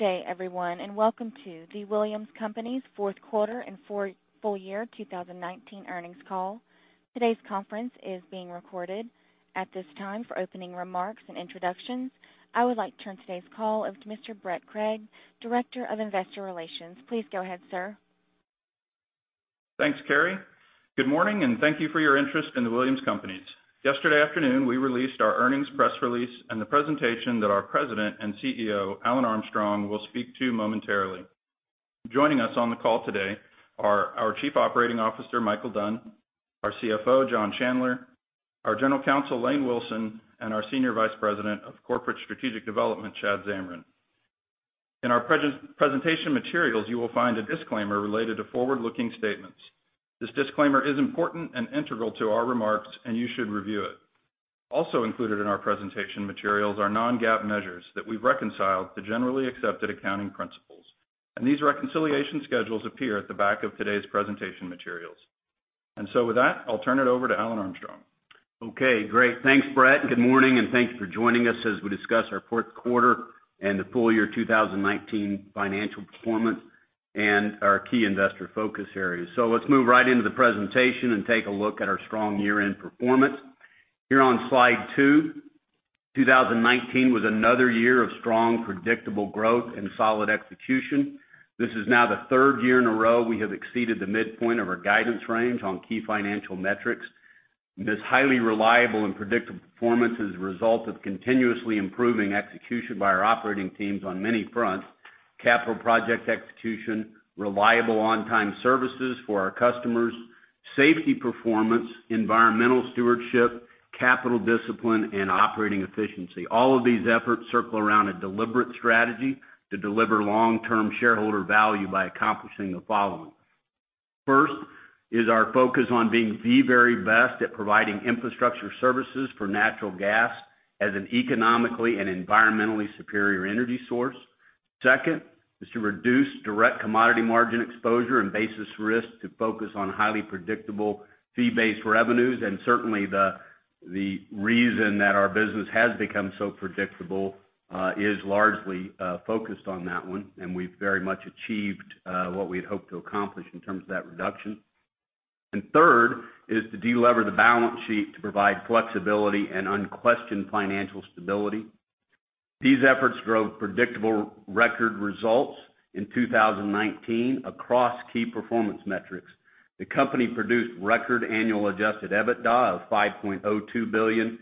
Good day, everyone, and welcome to the Williams Companies' Fourth Quarter and Full Year 2019 Earnings Call. Today's conference is being recorded. At this time, for opening remarks and introductions, I would like to turn today's call over to Mr. Brett Krieg, Director of Investor Relations. Please go ahead, sir. Thanks, Carrie. Good morning, and thank you for your interest in Williams Companies. Yesterday afternoon, we released our earnings press release and the presentation that our President and CEO, Alan Armstrong, will speak to momentarily. Joining us on the call today are our Chief Operating Officer, Michael Dunn, our CFO, John Chandler, our General Counsel, Lane Wilson, and our Senior Vice President of Corporate Strategic Development, Chad Zamarin. In our presentation materials, you will find a disclaimer related to forward-looking statements. This disclaimer is important and integral to our remarks, and you should review it. Also included in our presentation materials are non-GAAP measures that we've reconciled to Generally Accepted Accounting Principles, and these reconciliation schedules appear at the back of today's presentation materials. With that, I'll turn it over to Alan Armstrong. Okay, great. Thanks, Brett. Good morning. Thank you for joining us as we discuss our fourth quarter and the full year 2019 financial performance and our key investor focus areas. Let's move right into the presentation and take a look at our strong year-end performance. Here on slide two, 2019 was another year of strong, predictable growth and solid execution. This is now the third year in a row we have exceeded the midpoint of our guidance range on key financial metrics. This highly reliable and predictable performance is a result of continuously improving execution by our operating teams on many fronts, capital project execution, reliable on-time services for our customers, safety performance, environmental stewardship, capital discipline, and operating efficiency. All of these efforts circle around a deliberate strategy to deliver long-term shareholder value by accomplishing the following. First is our focus on being the very best at providing infrastructure services for natural gas as an economically and environmentally superior energy source. Second is to reduce direct commodity margin exposure and basis risk to focus on highly predictable fee-based revenues. Certainly, the reason that our business has become so predictable is largely focused on that one, and we've very much achieved what we'd hoped to accomplish in terms of that reduction. Third is to delever the balance sheet to provide flexibility and unquestioned financial stability. These efforts drove predictable record results in 2019 across key performance metrics. The company produced record annual adjusted EBITDA of $5.02 billion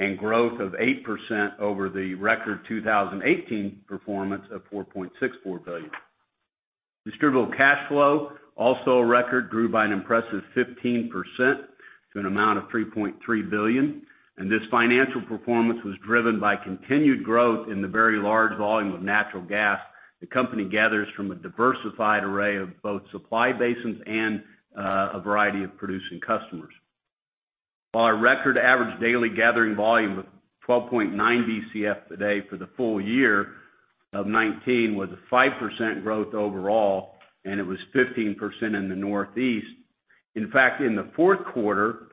and growth of 8% over the record 2018 performance of $4.64 billion. Distributable cash flow, also a record, grew by an impressive 15% to an amount of $3.3 billion. This financial performance was driven by continued growth in the very large volume of natural gas the company gathers from a diversified array of both supply basins and a variety of producing customers. Our record average daily gathering volume of 12.9 Bcfpd for the full year of 2019 was a 5% growth overall, and it was 15% in the Northeast. In fact, in the fourth quarter,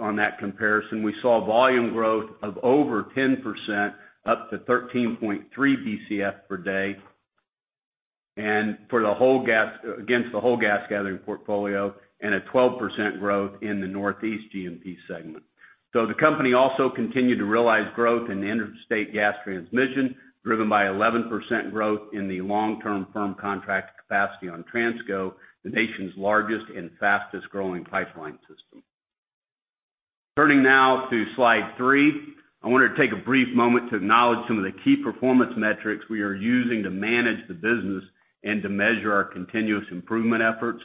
on that comparison, we saw volume growth of over 10%, up to 13.3 Bcfpd against the whole gas gathering portfolio and a 12% growth in the Northeast GMP segment. The company also continued to realize growth in the interstate gas transmission, driven by 11% growth in the long-term firm contract capacity on Transco, the nation's largest and fastest-growing pipeline system. Turning now to slide three. I wanted to take a brief moment to acknowledge some of the key performance metrics we are using to manage the business and to measure our continuous improvement efforts.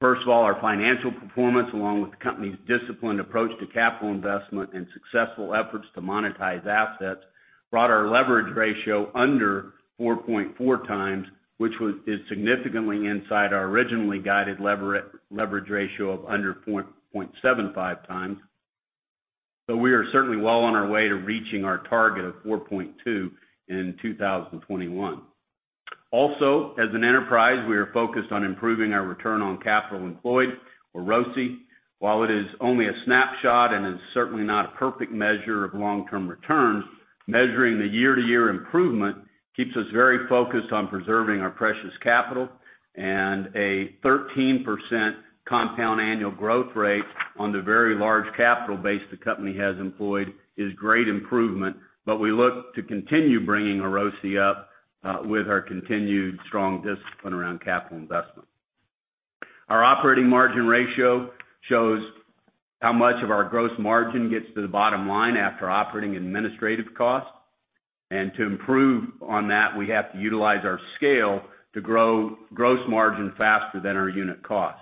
First of all, our financial performance, along with the company's disciplined approach to capital investment and successful efforts to monetize assets, brought our leverage ratio under 4.4x, which is significantly inside our originally guided leverage ratio of under 0.75x. We are certainly well on our way to reaching our target of 4.2x in 2021. Also, as an enterprise, we are focused on improving our return on capital employed or ROCE. While it is only a snapshot and is certainly not a perfect measure of long-term returns, measuring the year-to-year improvement keeps us very focused on preserving our precious capital, and a 13% compound annual growth rate on the very large capital base the company has employed is great improvement. We look to continue bringing our ROCE up with our continued strong discipline around capital investment. Our operating margin ratio shows how much of our gross margin gets to the bottom line after operating and administrative costs. To improve on that, we have to utilize our scale to grow gross margin faster than our unit cost.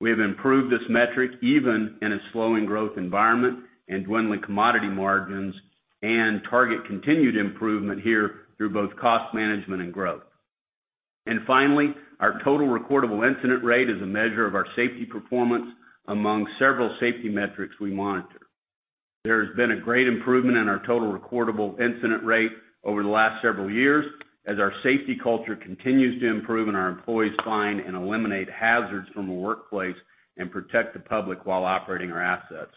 We have improved this metric even in a slowing growth environment and dwindling commodity margins and target continued improvement here through both cost management and growth. Finally, our total recordable incident rate is a measure of our safety performance among several safety metrics we monitor. There has been a great improvement in our total recordable incident rate over the last several years as our safety culture continues to improve and our employees find and eliminate hazards from the workplace and protect the public while operating our assets.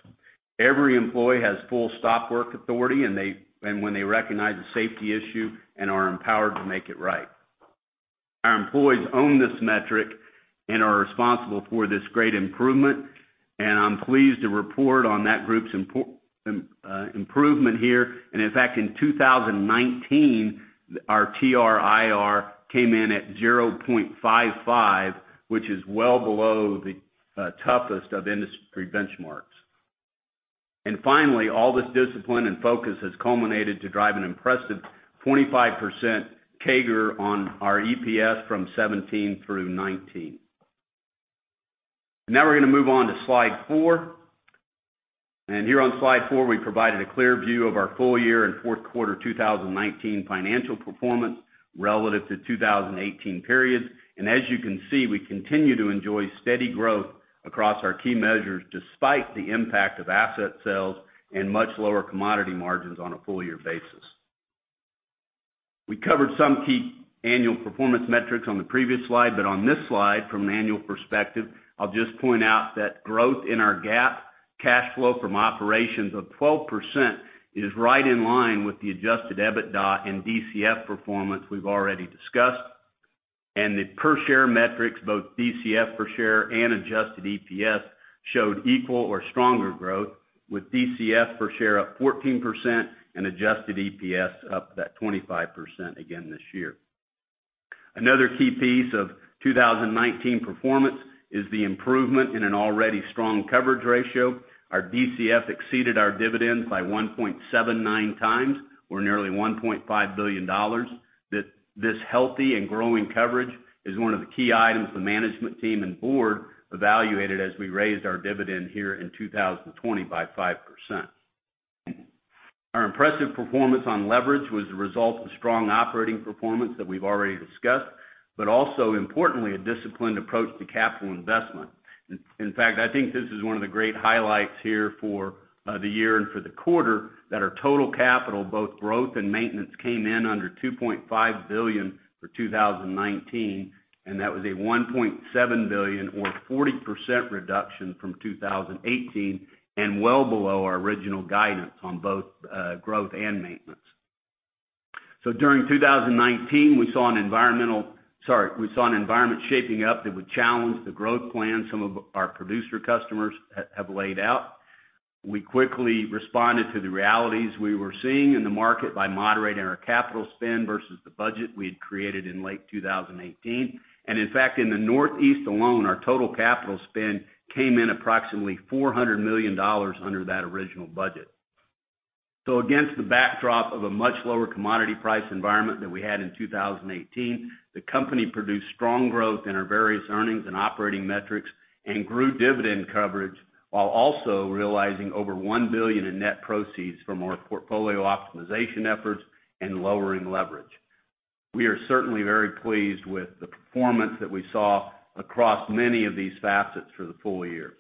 Every employee has full stop work authority when they recognize a safety issue and are empowered to make it right. Our employees own this metric and are responsible for this great improvement, and I'm pleased to report on that group's improvement here. In fact, in 2019, our TRIR came in at 0.55, which is well below the toughest of industry benchmarks. Finally, all this discipline and focus has culminated to drive an impressive 25% CAGR on our EPS from 2017 through 2019. Now we're going to move on to slide four. Here on slide four, we provided a clear view of our full year and fourth quarter 2019 financial performance relative to 2018 periods. As you can see, we continue to enjoy steady growth across our key measures despite the impact of asset sales and much lower commodity margins on a full year basis. We covered some key annual performance metrics on the previous slide, but on this slide, from an annual perspective, I'll just point out that growth in our GAAP cash flow from operations of 12% is right in line with the adjusted EBITDA and DCF performance we've already discussed. The per share metrics, both DCF per share and adjusted EPS, showed equal or stronger growth, with DCF per share up 14% and adjusted EPS up that 25% again this year. Another key piece of 2019 performance is the improvement in an already strong coverage ratio. Our DCF exceeded our dividends by 1.79x, or nearly $1.5 billion. This healthy and growing coverage is one of the key items the management team and board evaluated as we raised our dividend here in 2020 by 5%. Our impressive performance on leverage was a result of strong operating performance that we've already discussed, but also importantly, a disciplined approach to capital investment. In fact, I think this is one of the great highlights here for the year and for the quarter, that our total capital, both growth and maintenance, came in under $2.5 billion for 2019, and that was a $1.7 billion or 40% reduction from 2018 and well below our original guidance on both growth and maintenance. During 2019, we saw an environment shaping up that would challenge the growth plan some of our producer customers have laid out. We quickly responded to the realities we were seeing in the market by moderating our capital spend versus the budget we had created in late 2018. In fact, in the Northeast alone, our total capital spend came in approximately $400 million under that original budget. Against the backdrop of a much lower commodity price environment than we had in 2018, the company produced strong growth in our various earnings and operating metrics and grew dividend coverage while also realizing over $1 billion in net proceeds from our portfolio optimization efforts and lowering leverage. We are certainly very pleased with the performance that we saw across many of these facets for the full year.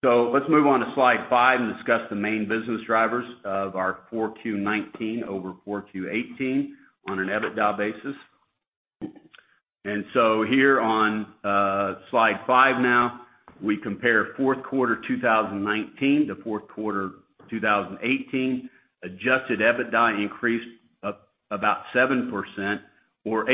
Let's move on to slide five and discuss the main business drivers of our 4Q 2019 over 4Q 2018 on an EBITDA basis. Here on slide five now, we compare fourth quarter 2019 to fourth quarter 2018. Adjusted EBITDA increased about 7%, or 8%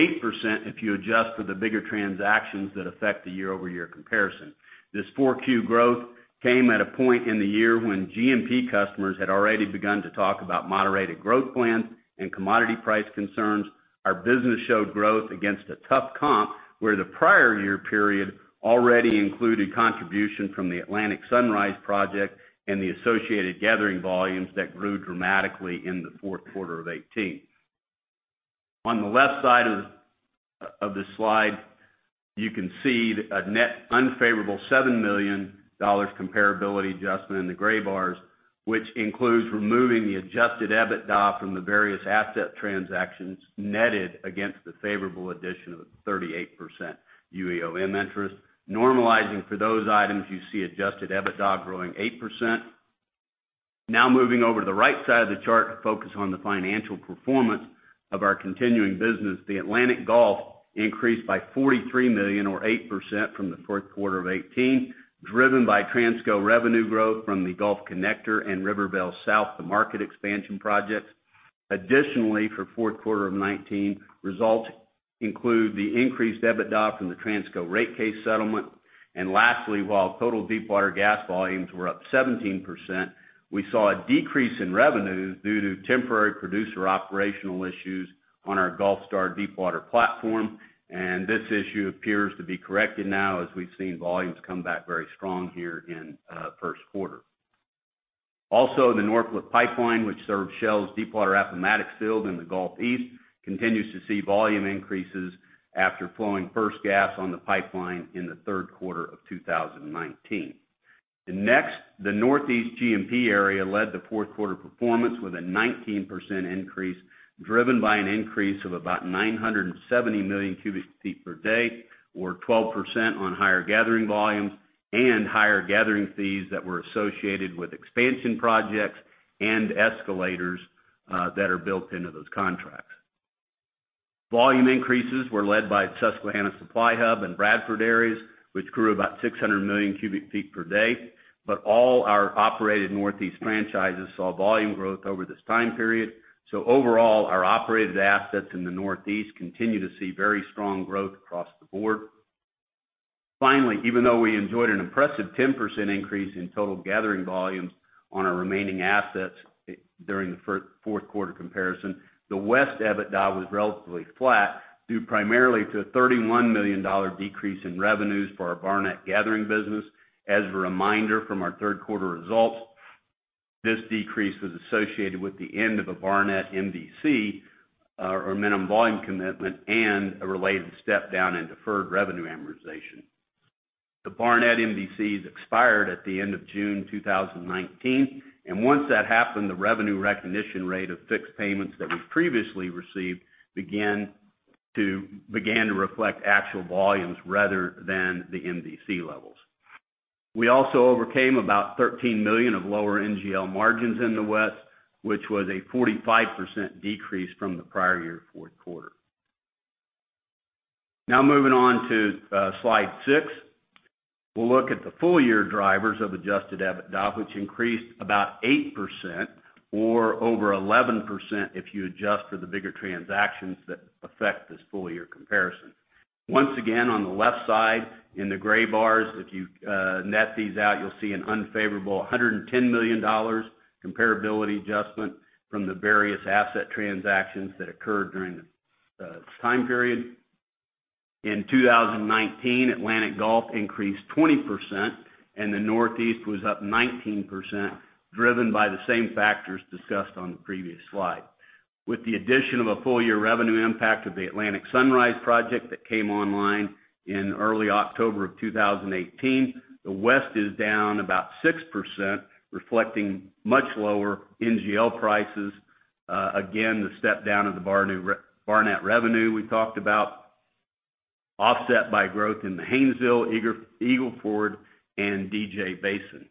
if you adjust for the bigger transactions that affect the year-over-year comparison. This 4Q growth came at a point in the year when GMP customers had already begun to talk about moderated growth plans and commodity price concerns. Our business showed growth against a tough comp where the prior year period already included contribution from the Atlantic Sunrise project and the associated gathering volumes that grew dramatically in the fourth quarter of 2018. On the left side of this slide, you can see a net unfavorable $7 million comparability adjustment in the gray bars, which includes removing the adjusted EBITDA from the various asset transactions netted against the favorable addition of 38% UEOM interest. Normalizing for those items, you see adjusted EBITDA growing 8%. Now moving over to the right side of the chart to focus on the financial performance of our continuing business. The Atlantic-Gulf increased by $43 million or 8% from the fourth quarter of 2018, driven by Transco revenue growth from the Gulf Connector and Rivervale South to Market, the market expansion projects. Additionally, for fourth quarter of 2019, results include the increased EBITDA from the Transco rate case settlement. Lastly, while total deepwater gas volumes were up 17%, we saw a decrease in revenues due to temporary producer operational issues on our Gulfstar deepwater platform. This issue appears to be corrected now as we've seen volumes come back very strong here in first quarter. Also, the Norphlet Pipeline, which serves Shell's deepwater Appomattox field in the Gulf East, continues to see volume increases after flowing first gas on the pipeline in the third quarter of 2019. The Northeast GMP area led the fourth quarter performance with a 19% increase, driven by an increase of about 970 million cubic feet per day or 12% on higher gathering volumes and higher gathering fees that were associated with expansion projects and escalators that are built into those contracts. Volume increases were led by Susquehanna Supply Hub and Bradford areas, which grew about 600 million cubic feet per day. All our operated Northeast franchises saw volume growth over this time period. Overall, our operated assets in the Northeast continue to see very strong growth across the board. Finally, even though we enjoyed an impressive 10% increase in total gathering volumes on our remaining assets during the fourth quarter comparison, the West EBITDA was relatively flat, due primarily to a $31 million decrease in revenues for our Barnett gathering business. As a reminder from our third quarter results, this decrease was associated with the end of a Barnett MDC, or minimum volume commitment, and a related step-down in deferred revenue amortization. The Barnett MDC is expired at the end of June 2019, and once that happened, the revenue recognition rate of fixed payments that we previously received began to reflect actual volumes rather than the MDC levels. We also overcame about $13 million of lower NGL margins in the West, which was a 45% decrease from the prior year fourth quarter. Moving on to slide six, we'll look at the full year drivers of adjusted EBITDA, which increased about 8%, or over 11% if you adjust for the bigger transactions that affect this full year comparison. Once again, on the left side in the gray bars, if you net these out, you'll see an unfavorable $110 million comparability adjustment from the various asset transactions that occurred during the time period. In 2019, Atlantic Gulf increased 20%, and the Northeast was up 19%, driven by the same factors discussed on the previous slide. With the addition of a full year revenue impact of the Atlantic Sunrise project that came online in early October of 2018, the West is down about 6%, reflecting much lower NGL prices, again, the step down of the Barnett revenue we talked about, offset by growth in the Haynesville, Eagle Ford, and DJ Basin.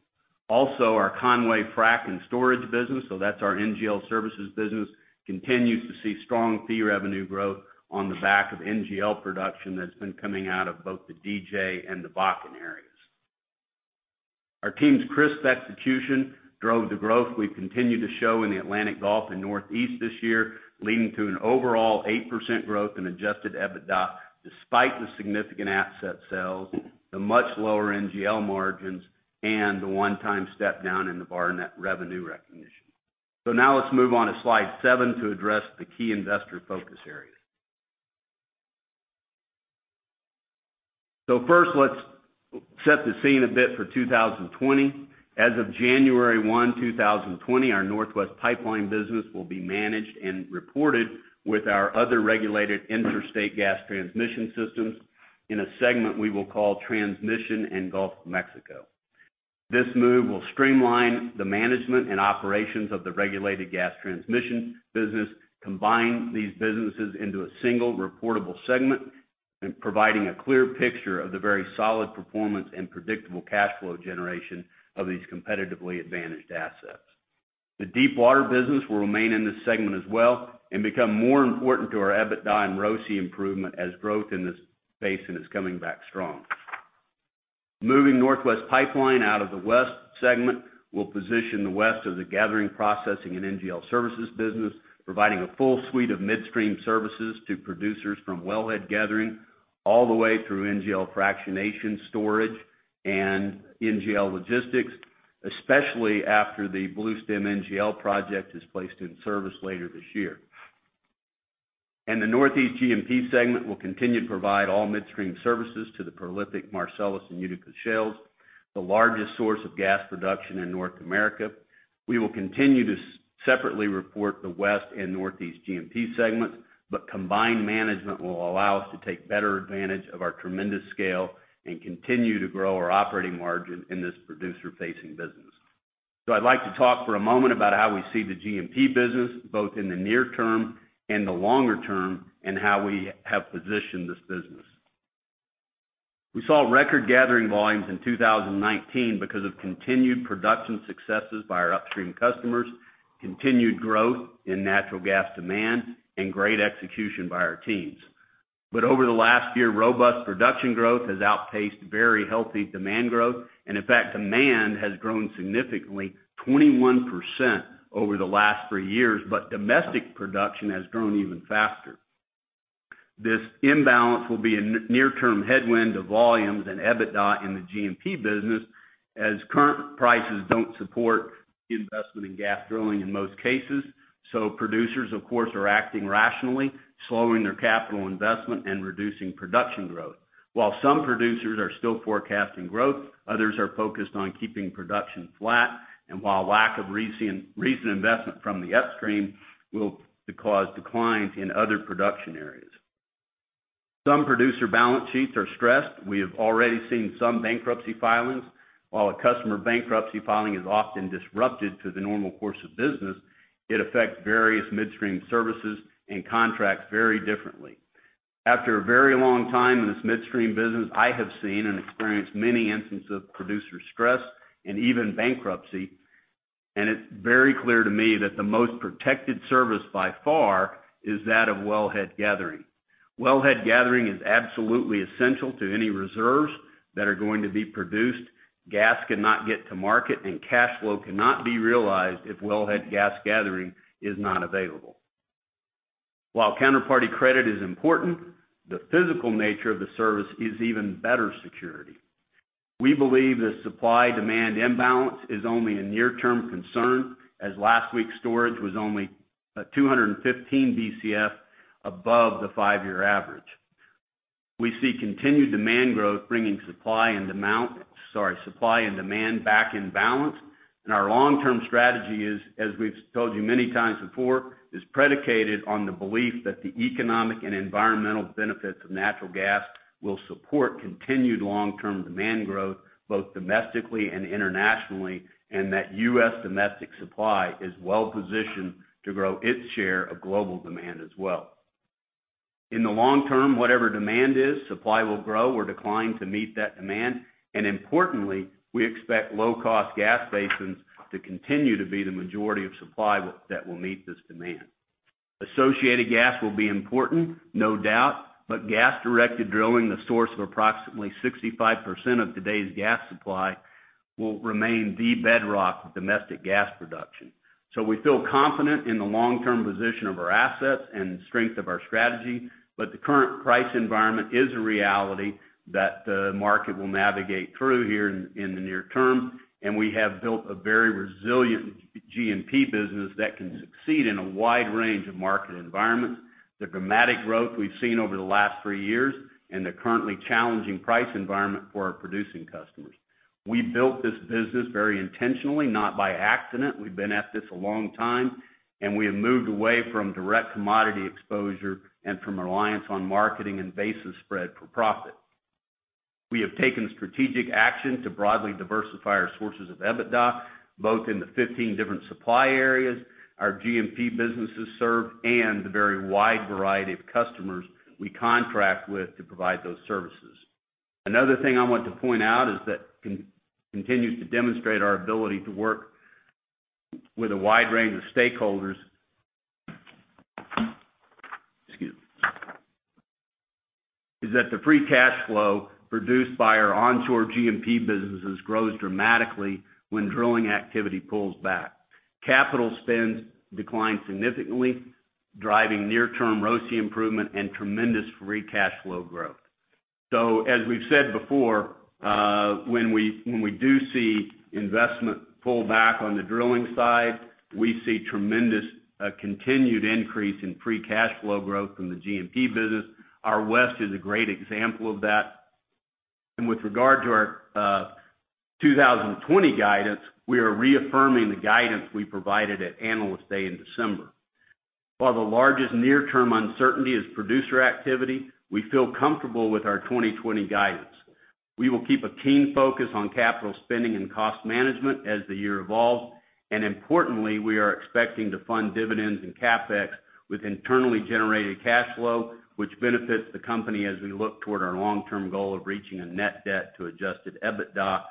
Also, our Conway Frac & Storage business, so that's our NGL services business, continues to see strong fee revenue growth on the back of NGL production that's been coming out of both the DJ and the Bakken areas. Our team's crisp execution drove the growth we've continued to show in the Atlantic-Gulf and Northeast this year, leading to an overall 8% growth in adjusted EBITDA, despite the significant asset sales, the much lower NGL margins, and the one-time step down in the Barnett revenue recognition. Now let's move on to slide seven to address the key investor focus areas. First, let's set the scene a bit for 2020. As of January 1, 2020, our Northwest Pipeline business will be managed and reported with our other regulated interstate gas transmission systems in a segment we will call Transmission and Gulf of Mexico. This move will streamline the management and operations of the regulated gas transmission business, combine these businesses into a single reportable segment, and providing a clear picture of the very solid performance and predictable cash flow generation of these competitively advantaged assets. The deepwater business will remain in this segment as well and become more important to our EBITDA and ROCE improvement as growth in this basin is coming back strong. Moving Northwest Pipeline out of the West segment will position the West of the gathering, processing, and NGL services business, providing a full suite of midstream services to producers from wellhead gathering all the way through NGL fractionation storage and NGL logistics, especially after the Bluestem NGL project is placed in service later this year. The Northeast GMP segment will continue to provide all midstream services to the prolific Marcellus and Utica shales, the largest source of gas production in North America. We will continue to separately report the West and Northeast GMP segments, combined management will allow us to take better advantage of our tremendous scale and continue to grow our operating margin in this producer-facing business. I'd like to talk for a moment about how we see the GMP business, both in the near term and the longer term, and how we have positioned this business. We saw record gathering volumes in 2019 because of continued production successes by our upstream customers, continued growth in natural gas demand, and great execution by our teams. Over the last year, robust production growth has outpaced very healthy demand growth. In fact, demand has grown significantly 21% over the last three years, but domestic production has grown even faster. This imbalance will be a near-term headwind to volumes and EBITDA in the GMP business, as current prices don't support investment in gas drilling in most cases. Producers, of course, are acting rationally, slowing their capital investment and reducing production growth. While some producers are still forecasting growth, others are focused on keeping production flat, and while lack of recent investment from the upstream will cause declines in other production areas. Some producer balance sheets are stressed. We have already seen some bankruptcy filings. While a customer bankruptcy filing is often disruptive to the normal course of business, it affects various midstream services and contracts very differently. After a very long time in this midstream business, I have seen and experienced many instances of producer stress and even bankruptcy, and it's very clear to me that the most protected service by far is that of wellhead gathering. Wellhead gathering is absolutely essential to any reserves that are going to be produced. Gas cannot get to market and cash flow cannot be realized if wellhead gas gathering is not available. While counterparty credit is important, the physical nature of the service is even better security. We believe the supply-demand imbalance is only a near-term concern, as last week's storage was only 215 Bcf above the five-year average. We see continued demand growth bringing supply and demand back in balance. Our long-term strategy, as we’ve told you many times before, is predicated on the belief that the economic and environmental benefits of natural gas will support continued long-term demand growth, both domestically and internationally, and that U.S. domestic supply is well-positioned to grow its share of global demand as well. In the long-term, whatever demand is, supply will grow or decline to meet that demand. Importantly, we expect low-cost gas basins to continue to be the majority of supply that will meet this demand. Associated gas will be important, no doubt, gas-directed drilling, the source of approximately 65% of today’s gas supply, will remain the bedrock of domestic gas production. We feel confident in the long-term position of our assets and the strength of our strategy. The current price environment is a reality that the market will navigate through here in the near-term. We have built a very resilient GMP business that can succeed in a wide range of market environments. The dramatic growth we've seen over the last three years and the currently challenging price environment for our producing customers. We built this business very intentionally, not by accident. We've been at this a long time. We have moved away from direct commodity exposure and from reliance on marketing and basis spread for profit. We have taken strategic action to broadly diversify our sources of EBITDA, both in the 15 different supply areas our GMP businesses serve and the very wide variety of customers we contract with to provide those services. Another thing I want to point out, that continues to demonstrate our ability to work with a wide range of stakeholders, is that the free cash flow produced by our onshore GMP businesses grows dramatically when drilling activity pulls back. Capital spends decline significantly, driving near-term ROCE improvement and tremendous free cash flow growth. As we've said before, when we do see investment pull back on the drilling side, we see tremendous continued increase in free cash flow growth from the GMP business. Our west is a great example of that. With regard to our 2020 guidance, we are reaffirming the guidance we provided at Analyst Day in December. While the largest near-term uncertainty is producer activity, we feel comfortable with our 2020 guidance. We will keep a keen focus on capital spending and cost management as the year evolves. Importantly, we are expecting to fund dividends and CapEx with internally generated cash flow, which benefits the company as we look toward our long-term goal of reaching a net debt to adjusted EBITDA,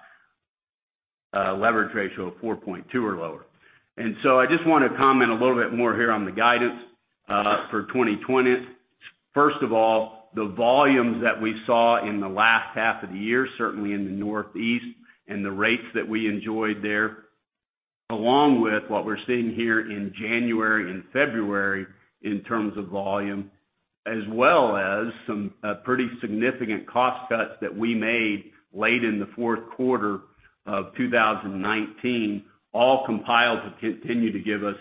leverage ratio of 4.2 or lower. I just want to comment a little bit more here on the guidance for 2020. First of all, the volumes that we saw in the last half of the year, certainly in the Northeast and the rates that we enjoyed there, along with what we're seeing here in January and February in terms of volume, as well as some pretty significant cost cuts that we made late in the fourth quarter of 2019, all compile to continue to give us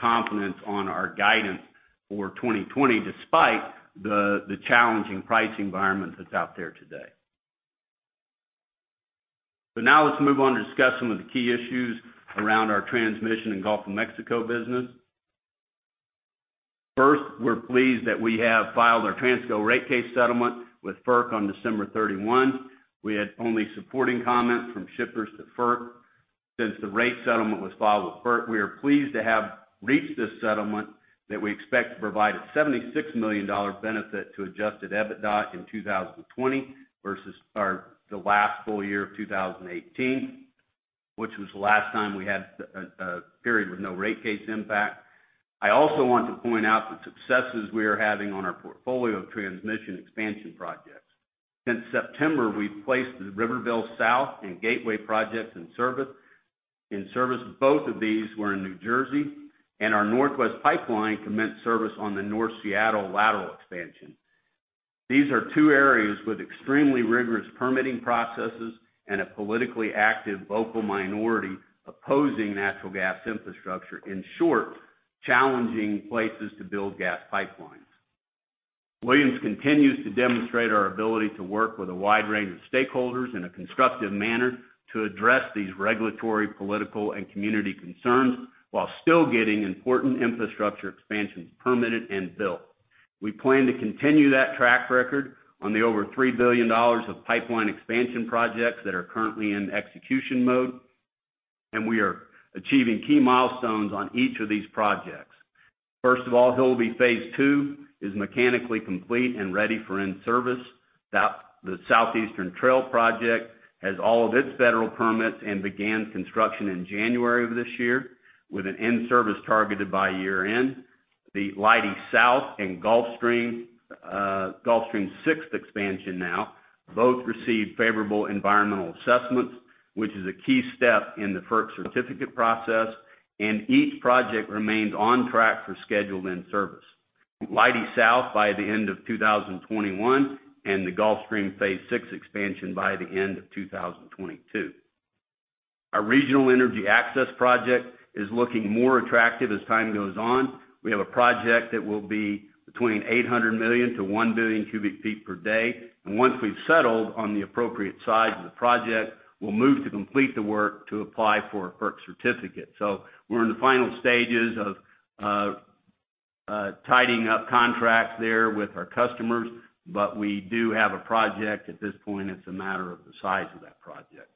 confidence on our guidance for 2020, despite the challenging price environment that's out there today. Now let's move on to discuss some of the key issues around our Transmission & Gulf of Mexico business. First, we're pleased that we have filed our Transco rate case settlement with FERC on December 31. We had only supporting comments from shippers to FERC. Since the rate settlement was filed with FERC, we are pleased to have reached this settlement that we expect to provide a $76 million benefit to adjusted EBITDA in 2020 versus the last full year of 2018, which was the last time we had a period with no rate case impact. I also want to point out the successes we are having on our portfolio of transmission expansion projects. Since September, we've placed the Rivervale South and Gateway projects in service. Both of these were in New Jersey. Our Northwest Pipeline commenced service on the North Seattle lateral expansion. These are two areas with extremely rigorous permitting processes and a politically active local minority opposing natural gas infrastructure. In short, challenging places to build gas pipelines. Williams continues to demonstrate our ability to work with a wide range of stakeholders in a constructive manner to address these regulatory, political, and community concerns while still getting important infrastructure expansions permitted and built. We plan to continue that track record on the over $3 billion of pipeline expansion projects that are currently in execution mode, and we are achieving key milestones on each of these projects. First of all, Hillabee Phase 2 is mechanically complete and ready for in-service. The Southeastern Trail has all of its federal permits and began construction in January of this year with an in-service targeted by year-end. The Leidy South and Gulfstream Phase VI expansion now, both received favorable environmental assessments, which is a key step in the FERC certificate process, and each project remains on track for scheduled in-service: Leidy South by the end of 2021 and the Gulfstream Phase VI expansion by the end of 2022. Our Regional Energy Access project is looking more attractive as time goes on. We have a project that will be between 800 million to 1 billion cubic feet per day. Once we've settled on the appropriate size of the project, we'll move to complete the work to apply for a FERC certificate. We're in the final stages of tidying up contracts there with our customers. We do have a project. At this point, it's a matter of the size of that project.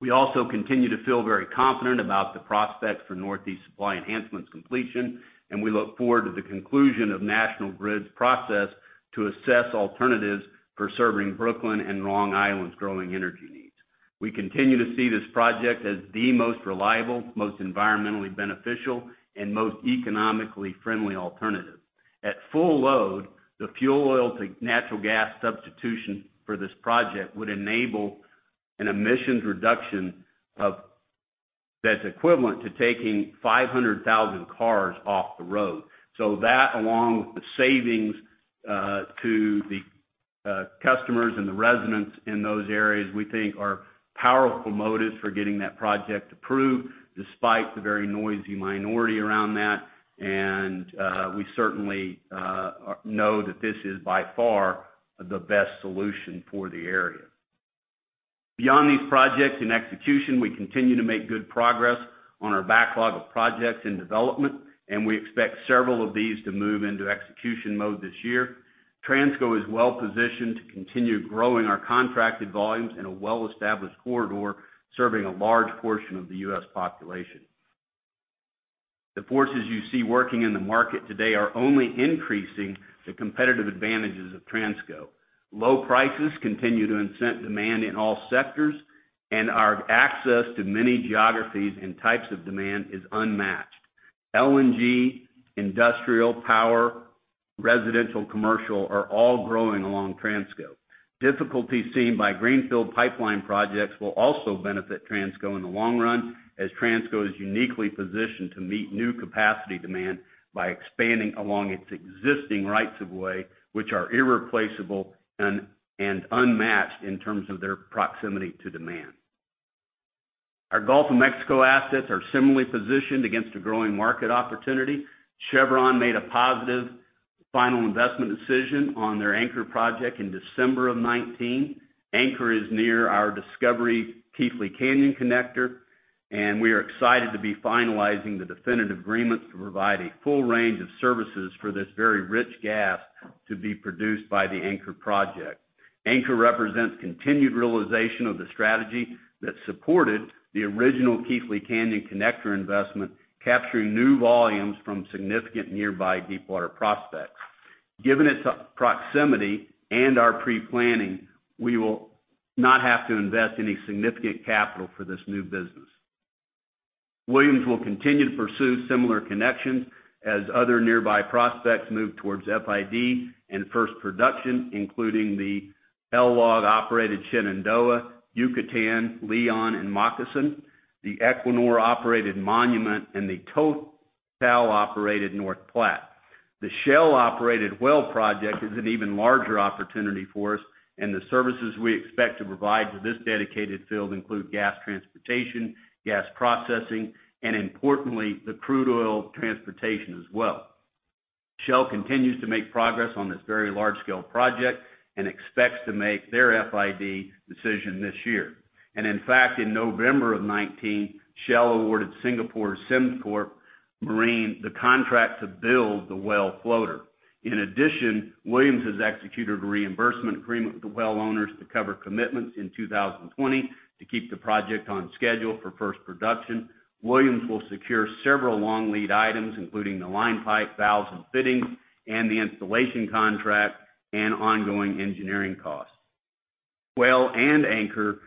We also continue to feel very confident about the prospects for Northeast Supply Enhancement's completion. We look forward to the conclusion of National Grid's process to assess alternatives for serving Brooklyn and Long Island's growing energy needs. We continue to see this project as the most reliable, most environmentally beneficial, and most economically friendly alternative. At full load, the fuel oil to natural gas substitution for this project would enable an emissions reduction that's equivalent to taking 500,000 cars off the road. That, along with the savings to the customers and the residents in those areas, we think are powerful motives for getting that project approved, despite the very noisy minority around that. We certainly know that this is by far the best solution for the area. Beyond these projects in execution, we continue to make good progress on our backlog of projects in development. We expect several of these to move into execution mode this year. Transco is well-positioned to continue growing our contracted volumes in a well-established corridor, serving a large portion of the U.S. population. The forces you see working in the market today are only increasing the competitive advantages of Transco. Low prices continue to incent demand in all sectors. Our access to many geographies and types of demand is unmatched. LNG, industrial, power, residential, commercial are all growing along Transco. Difficulty seen by greenfield pipeline projects will also benefit Transco in the long run, as Transco is uniquely positioned to meet new capacity demand by expanding along its existing rights of way, which are irreplaceable and unmatched in terms of their proximity to demand. Our Gulf of Mexico assets are similarly positioned against a growing market opportunity. Chevron made a positive final investment decision on their Anchor project in December of 2019. Anchor is near our Discovery Keathley Canyon Connector, and we are excited to be finalizing the definitive agreements to provide a full range of services for this very rich gas to be produced by the Anchor project. Anchor represents continued realization of the strategy that supported the original Keathley Canyon Connector investment, capturing new volumes from significant nearby deepwater prospects. Given its proximity and our pre-planning, we will not have to invest any significant capital for this new business. Williams will continue to pursue similar connections as other nearby prospects move towards FID and first production, including the LLOG-operated Shenandoah, Yucatan, Leon, and Moccasin, the Equinor-operated Monument, and the Total-operated North Platte. The Shell-operated Whale project is an even larger opportunity for us, and the services we expect to provide to this dedicated field include gas transportation, gas processing, and importantly, the crude oil transportation as well. Shell continues to make progress on this very large-scale project and expects to make their FID decision this year. In fact, in November of 2019, Shell awarded Singapore's Sembcorp Marine the contract to build the Whale floater. In addition, Williams has executed a reimbursement agreement with the Whale owners to cover commitments in 2020 to keep the project on schedule for first production. Williams will secure several long-lead items, including the line pipe, valves, and fittings, and the installation contract and ongoing engineering costs. Whale and Anchor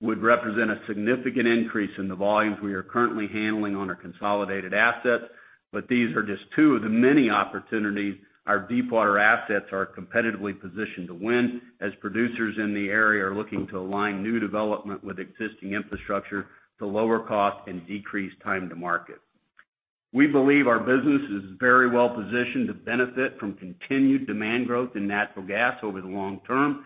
would represent a significant increase in the volumes we are currently handling on our consolidated assets, but these are just two of the many opportunities our deepwater assets are competitively positioned to win as producers in the area are looking to align new development with existing infrastructure to lower cost and decrease time to market. We believe our business is very well-positioned to benefit from continued demand growth in natural gas over the long term,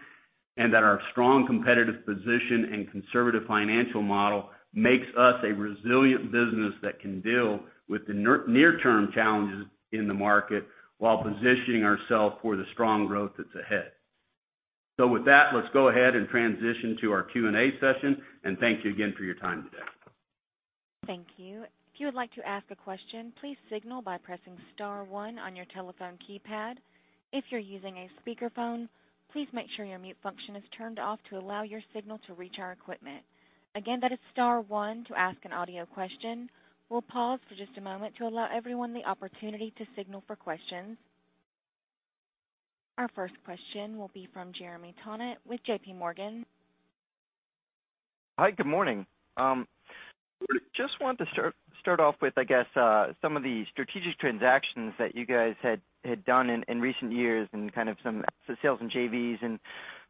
and that our strong competitive position and conservative financial model makes us a resilient business that can deal with the near-term challenges in the market while positioning ourselves for the strong growth that's ahead. With that, let's go ahead and transition to our Q&A session, and thank you again for your time today. Thank you. If you would like to ask a question, please signal by pressing star one on your telephone keypad. If you're using a speakerphone, please make sure your mute function is turned off to allow your signal to reach our equipment. Again, that is star one to ask an audio question. We'll pause for just a moment to allow everyone the opportunity to signal for questions. Our first question will be from Jeremy Tonet with JPMorgan. Hi, good morning. Just want to start off with, I guess, some of the strategic transactions that you guys had done in recent years and kind of some sales and JVs.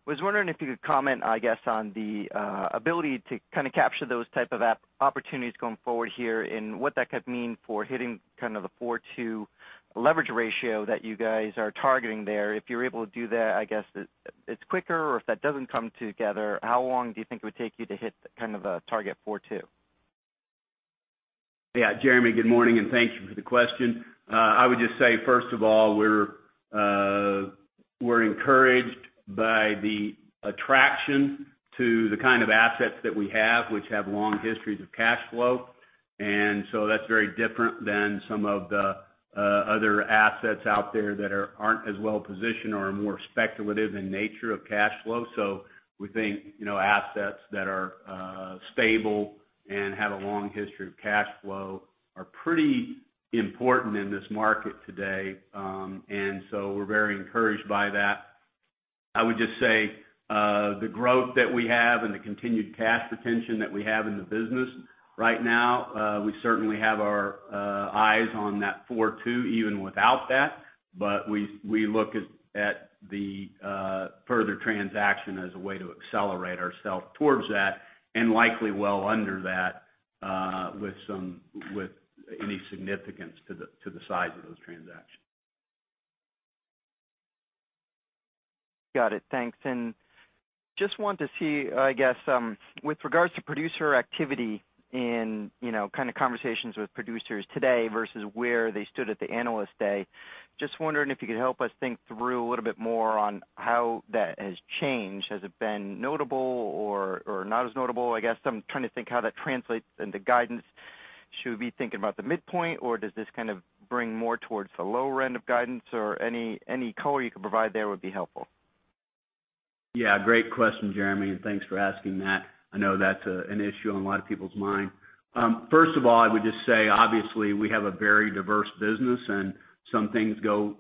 Was wondering if you could comment, I guess, on the ability to kind of capture those type of opportunities going forward here and what that could mean for hitting kind of the 4.2 leverage ratio that you guys are targeting there. If you're able to do that, I guess it's quicker, or if that doesn't come together, how long do you think it would take you to hit kind of a target 4.2? Jeremy, good morning, thank you for the question. I would just say, first of all, we're encouraged by the attraction to the kind of assets that we have, which have long histories of cash flow. That's very different than some of the other assets out there that aren't as well positioned or are more speculative in nature of cash flow. We think assets that are stable and have a long history of cash flow are pretty important in this market today. We're very encouraged by that. I would just say, the growth that we have and the continued cash retention that we have in the business right now, we certainly have our eyes on that 4.2, even without that. We look at the further transaction as a way to accelerate ourself towards that, and likely well under that, with any significance to the size of those transactions. Got it. Thanks. Just want to see, I guess, with regards to producer activity in kind of conversations with producers today versus where they stood at the Analyst Day, just wondering if you could help us think through a little bit more on how that has changed. Has it been notable or not as notable, I guess? I'm trying to think how that translates into guidance. Should we be thinking about the midpoint, or does this kind of bring more towards the lower end of guidance? Any color you could provide there would be helpful. Great question, Jeremy, and thanks for asking that. I know that's an issue on a lot of people's mind. First of all, I would just say, obviously, we have a very diverse business, and some things go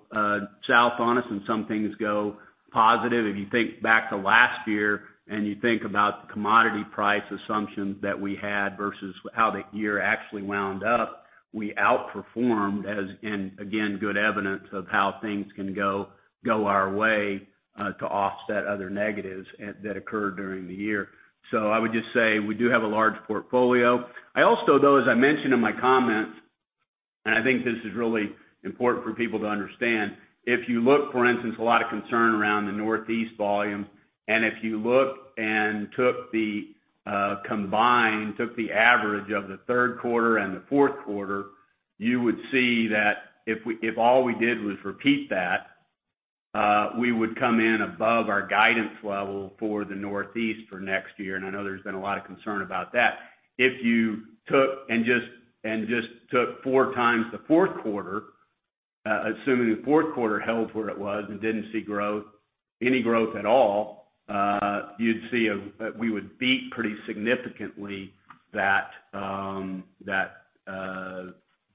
south on us and some things go positive. If you think back to last year and you think about commodity price assumptions that we had versus how the year actually wound up, we outperformed, as in, again, good evidence of how things can go our way, to offset other negatives that occurred during the year. I would just say, we do have a large portfolio. I also, though, as I mentioned in my comments, and I think this is really important for people to understand. If you look, for instance, a lot of concern around the Northeast volume, if you look and took the combined, took the average of the third quarter and the fourth quarter, you would see that if all we did was repeat that, we would come in above our guidance level for the Northeast for next year. I know there's been a lot of concern about that. If you took and just took four times the fourth quarter, assuming the fourth quarter held where it was and didn't see any growth at all, you'd see we would beat pretty significantly that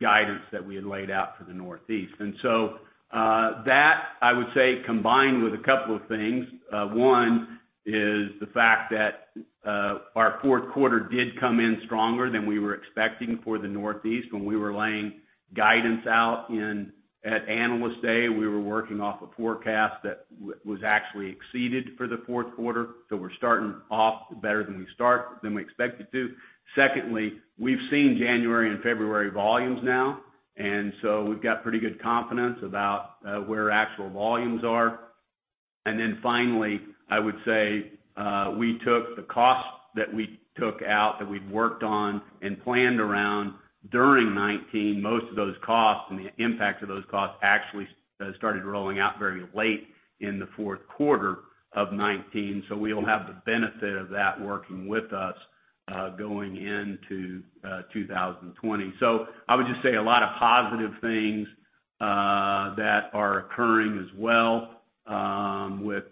guidance that we had laid out for the Northeast. That, I would say, combined with a couple of things. One is the fact that our fourth quarter did come in stronger than we were expecting for the Northeast. When we were laying guidance out at Analyst Day, we were working off a forecast that was actually exceeded for the fourth quarter. We're starting off better than we expected to. Secondly, we've seen January and February volumes now, we've got pretty good confidence about where actual volumes are. Finally, I would say, we took the cost that we took out, that we'd worked on and planned around during 2019. Most of those costs and the impact of those costs actually started rolling out very late in the fourth quarter of 2019. We'll have the benefit of that working with us, going into 2020. I would just say a lot of positive things that are occurring as well, with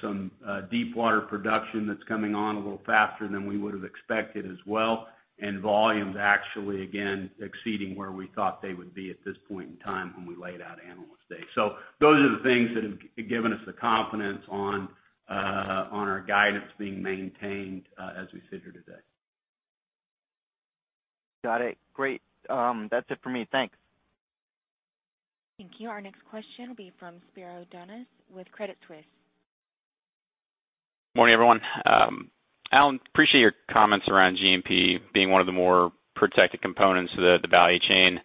some deep water production that's coming on a little faster than we would've expected as well, and volumes actually, again, exceeding where we thought they would be at this point in time when we laid out Analyst Day. Those are the things that have given us the confidence on our guidance being maintained as we sit here today. Got it. Great. That's it for me. Thanks. Thank you. Our next question will be from Spiro Dounis with Credit Suisse. Morning, everyone. Alan, appreciate your comments around GMP being one of the more protected components of the value chain.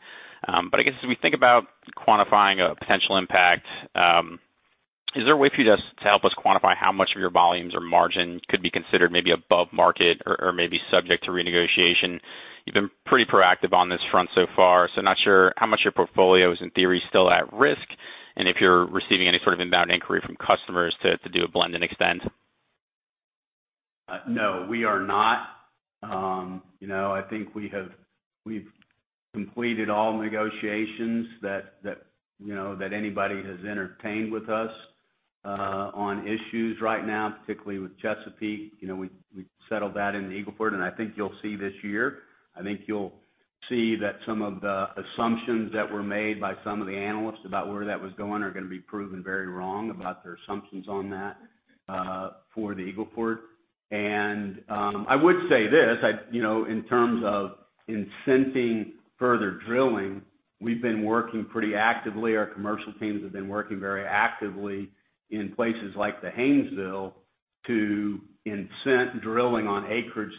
I guess, as we think about quantifying a potential impact, is there a way for you just to help us quantify how much of your volumes or margin could be considered maybe above market or maybe subject to renegotiation? You've been pretty proactive on this front so far, so not sure how much your portfolio is, in theory, still at risk, and if you're receiving any sort of inbound inquiry from customers to do a blend and extend. No, we are not. I think we've completed all negotiations that anybody has entertained with us, on issues right now, particularly with Chesapeake. We settled that into Eagle Ford. I think you'll see this year that some of the assumptions that were made by some of the analysts about where that was going are going to be proven very wrong about their assumptions on that for the Eagle Ford. I would say this, in terms of incenting further drilling, we've been working pretty actively. Our commercial teams have been working very actively in places like the Haynesville to incent drilling on acreage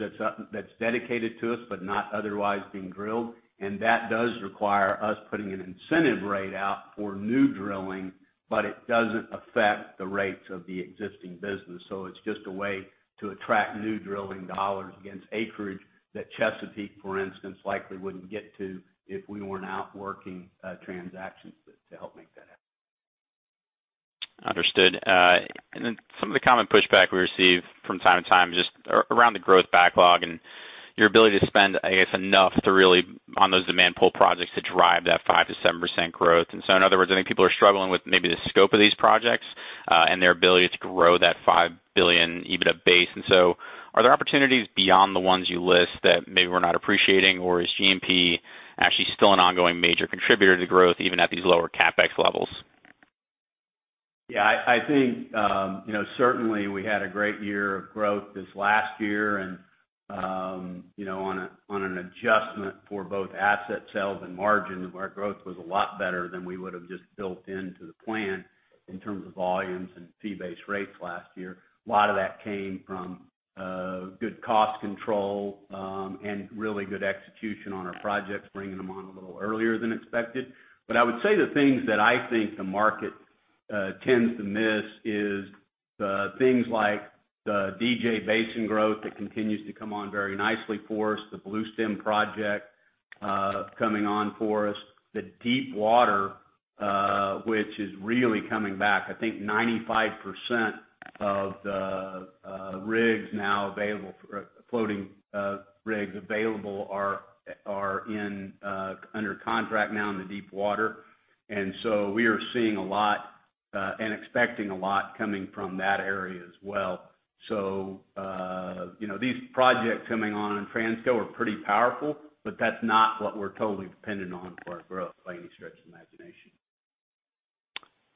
that's dedicated to us, but not otherwise being drilled. That does require us putting an incentive rate out for new drilling, but it doesn't affect the rates of the existing business. It's just a way to attract new drilling dollars against acreage that Chesapeake, for instance, likely wouldn't get to if we weren't out working transactions to help make that happen. Understood. Some of the common pushback we receive from time to time is just around the growth backlog and your ability to spend, I guess, enough on those demand pull projects to drive that 5%-7% growth. In other words, I think people are struggling with maybe the scope of these projects, and their ability to grow that $5 billion EBITDA base. Are there opportunities beyond the ones you list that maybe we're not appreciating, or is GMP actually still an ongoing major contributor to growth even at these lower CapEx levels? Yeah, I think, certainly we had a great year of growth this last year, and on an adjustment for both asset sales and margin, our growth was a lot better than we would've just built into the plan in terms of volumes and fee-based rates last year. A lot of that came from good cost control and really good execution on our projects, bringing them on a little earlier than expected. I would say the things that I think the market tends to miss is the things like the DJ Basin growth that continues to come on very nicely for us, the Bluestem project coming on for us. The deepwater, which is really coming back. I think 95% of the floating rigs available are under contract now in the deepwater. We are seeing a lot, and expecting a lot coming from that area as well. These projects coming on in Transco are pretty powerful, but that's not what we're totally dependent on for our growth by any stretch of the imagination.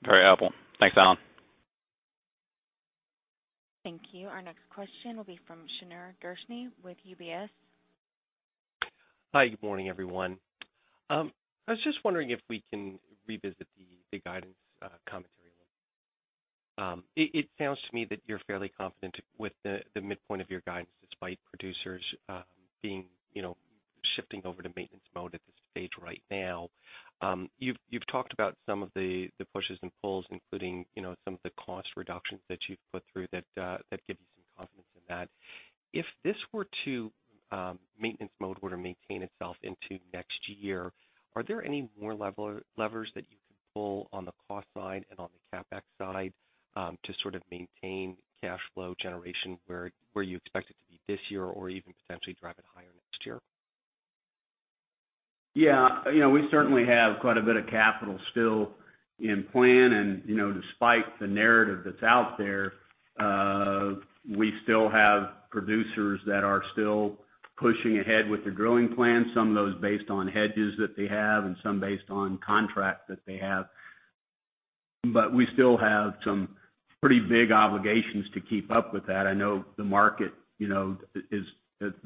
Very helpful. Thanks, Alan. Thank you. Our next question will be from Shneur Gershuni with UBS. Hi, good morning, everyone. I was just wondering if we can revisit the guidance commentary a little bit. It sounds to me that you're fairly confident with the midpoint of your guidance, despite producers shifting over to maintenance mode at this stage right now. You've talked about some of the pushes and pulls, including some of the cost reductions that you've put through that give you some confidence in that. If this maintenance mode were to maintain itself into next year, are there any more levers that you can pull on the cost side and on the CapEx side to sort of maintain cash flow generation where you expect it to be this year, or even potentially drive it higher next year? Yeah. We certainly have quite a bit of capital still in plan. Despite the narrative that's out there, we still have producers that are still pushing ahead with their growing plans. Some of those based on hedges that they have and some based on contracts that they have. We still have some pretty big obligations to keep up with that. I know the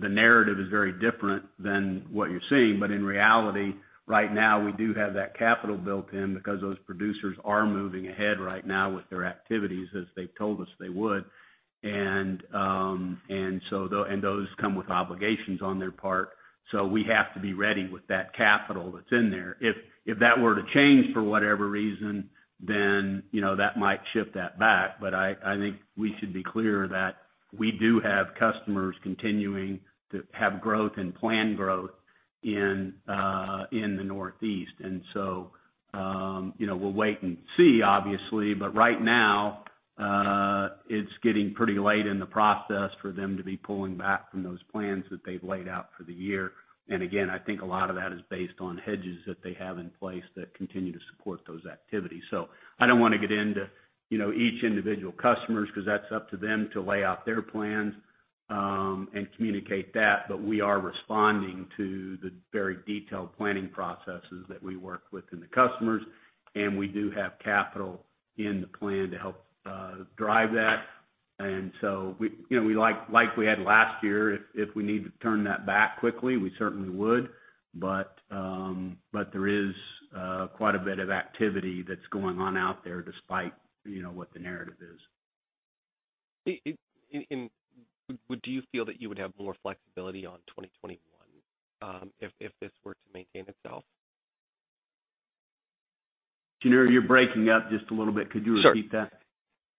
narrative is very different than what you're seeing, but in reality, right now, we do have that capital built in because those producers are moving ahead right now with their activities as they've told us they would. Those come with obligations on their part. We have to be ready with that capital that's in there. If that were to change for whatever reason, that might shift that back. I think we should be clear that we do have customers continuing to have growth and plan growth in the Northeast. We'll wait and see, obviously, but right now, it's getting pretty late in the process for them to be pulling back from those plans that they've laid out for the year. Again, I think a lot of that is based on hedges that they have in place that continue to support those activities. I don't want to get into each individual customer's, because that's up to them to lay out their plans, and communicate that, but we are responding to the very detailed planning processes that we work with in the customers, and we do have capital in the plan to help drive that. Like we had last year, if we need to turn that back quickly, we certainly would, but there is quite a bit of activity that's going on out there despite what the narrative is. Do you feel that you would have more flexibility on 2021 if this were to maintain itself? Shneur, you're breaking up just a little bit. Could you repeat that? Sure.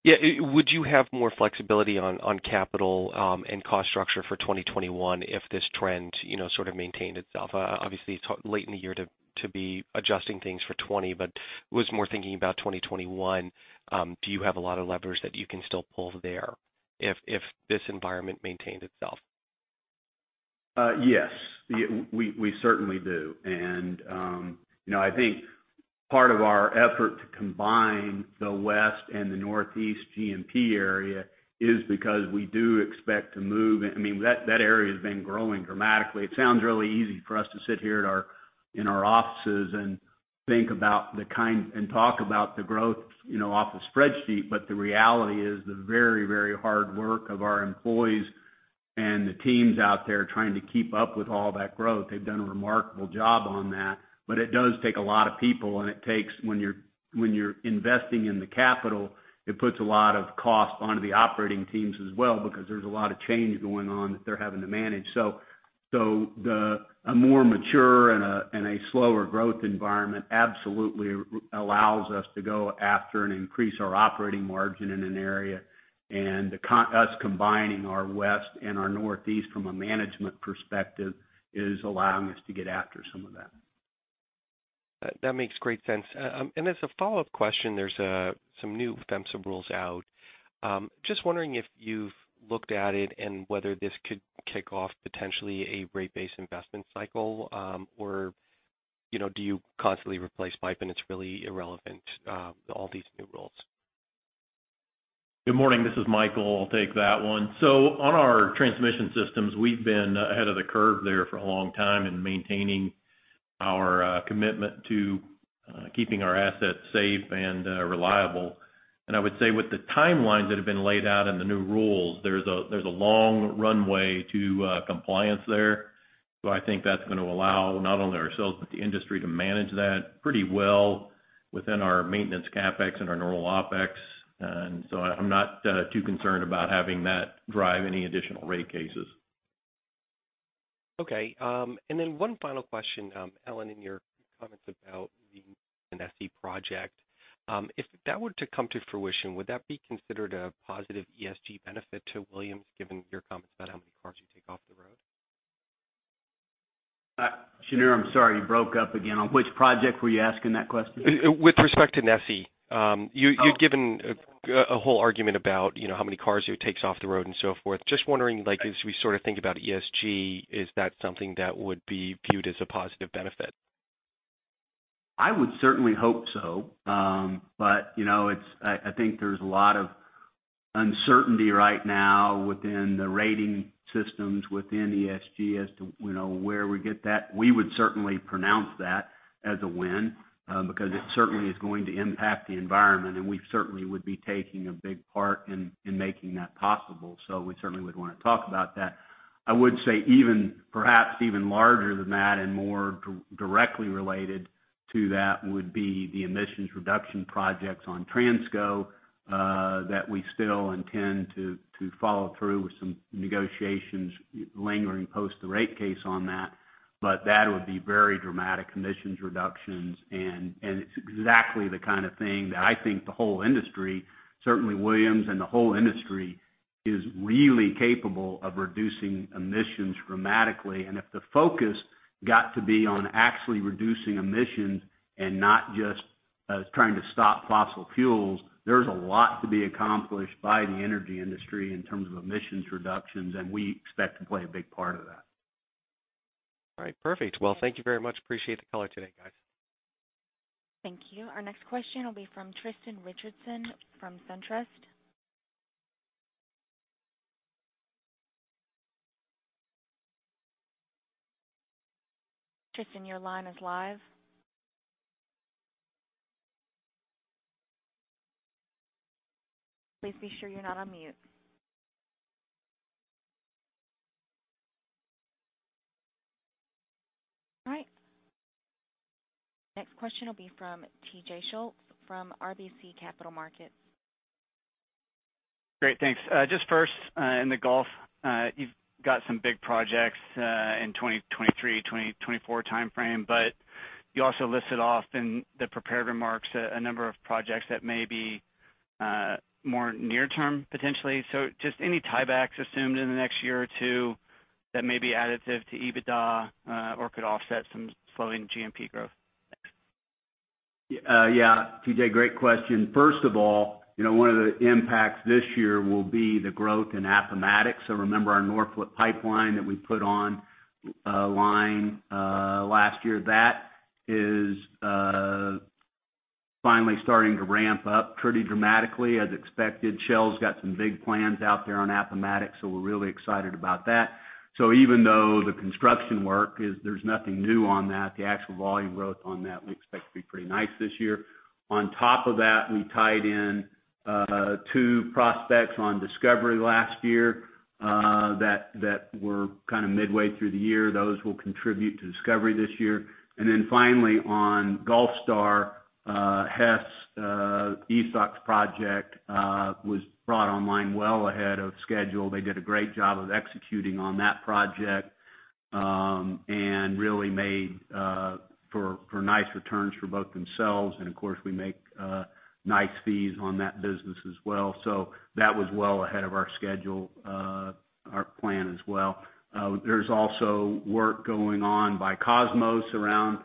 Yeah. Would you have more flexibility on capital and cost structure for 2021 if this trend sort of maintained itself? Obviously, it's late in the year to be adjusting things for 2020, but was more thinking about 2021. Do you have a lot of levers that you can still pull there if this environment maintains itself? Yes, we certainly do. I think part of our effort to combine the West and the Northeast GMP area is because we do expect to move. That area has been growing dramatically. It sounds really easy for us to sit here in our offices and think about and talk about the growth off the spreadsheet. The reality is the very, very hard work of our employees and the teams out there trying to keep up with all that growth. They've done a remarkable job on that. It does take a lot of people, and it takes, when you're investing in the capital, it puts a lot of cost onto the operating teams as well, because there's a lot of change going on that they're having to manage. A more mature and a slower growth environment absolutely allows us to go after and increase our operating margin in an area. Us combining our West and our Northeast from a management perspective is allowing us to get after some of that. That makes great sense. As a follow-up question, there's some new [PHMSA] rules out. Just wondering if you've looked at it and whether this could kick off potentially a rate base investment cycle, or do you constantly replace pipe and it's really irrelevant, all these new rules? Good morning. This is Michael. I'll take that one. On our transmission systems, we've been ahead of the curve there for a long time in maintaining our commitment to keeping our assets safe and reliable. I would say with the timelines that have been laid out in the new rules, there's a long runway to compliance there. I think that's going to allow not only ourselves, but the industry to manage that pretty well within our maintenance CapEx and our normal OpEx. I'm not too concerned about having that drive any additional rate cases. Okay. One final question. Alan, in your comments about the NESE project, if that were to come to fruition, would that be considered a positive ESG benefit to Williams, given your comments about how many cars you take off the road? Shneur, I'm sorry, you broke up again. On which project were you asking that question? With respect to NESE. You've given a whole argument about how many cars it takes off the road and so forth. Just wondering, as we think about ESG, is that something that would be viewed as a positive benefit? I would certainly hope so. I think there's a lot of uncertainty right now within the rating systems, within ESG as to where we get that. We would certainly pronounce that as a win, because it certainly is going to impact the environment, and we certainly would be taking a big part in making that possible. We certainly would want to talk about that. I would say perhaps even larger than that and more directly related to that would be the emissions reduction projects on Transco, that we still intend to follow through with some negotiations lingering post the rate case on that. That would be very dramatic emissions reductions, and it's exactly the kind of thing that I think the whole industry, certainly Williams and the whole industry, is really capable of reducing emissions dramatically. If the focus got to be on actually reducing emissions and not just trying to stop fossil fuels, there is a lot to be accomplished by the energy industry in terms of emissions reductions. We expect to play a big part of that. All right, perfect. Well, thank you very much. Appreciate the color today, guys. Thank you. Our next question will be from Tristan Richardson from SunTrust. Tristan, your line is live. Please be sure you're not on mute. All right. Next question will be from TJ Schultz from RBC Capital Markets. Great. Thanks. Just first, in the Gulf, you've got some big projects in 2023, 2024 timeframe, but you also listed off in the prepared remarks a number of projects that may be more near term, potentially. Just any tiebacks assumed in the next year or two that may be additive to EBITDA or could offset some slowing GMP growth? Thanks. Yeah. TJ, great question. First of all, one of the impacts this year will be the growth in Appomattox. Remember our Norphlet Pipeline that we put online last year. That is finally starting to ramp up pretty dramatically as expected. Shell's got some big plans out there on Appomattox, we're really excited about that. Even though the construction work is, there's nothing new on that, the actual volume growth on that we expect to be pretty nice this year. On top of that, we tied in two prospects on discovery last year, that were kind of midway through the year. Those will contribute to discovery this year. Finally on Gulfstar, Hess Esox project was brought online well ahead of schedule. They did a great job of executing on that project, and really made for nice returns for both themselves, and of course, we make nice fees on that business as well. That was well ahead of our schedule, our plan as well. There's also work going on by Kosmos around